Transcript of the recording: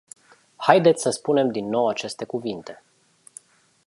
Haideți să spunem din nou aceste cuvinte.